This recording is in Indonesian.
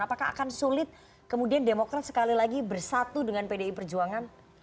apakah akan sulit kemudian demokrat sekali lagi bersatu dengan pdi perjuangan